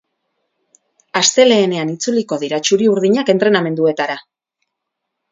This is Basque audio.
Astelehenean itzuliko dira txuri-urdinak entrenamenduetara.